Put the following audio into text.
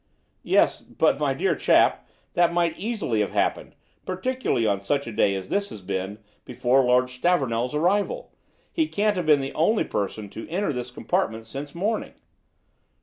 "Yes; but, my dear chap, that might easily have happened particularly on such a day as this has been before Lord Stavornell's arrival. He can't have been the only person to enter this compartment since morning."